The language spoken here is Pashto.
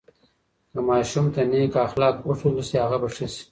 که ماشوم ته نیک اخلاق وښودل سي، هغه به ښه سي.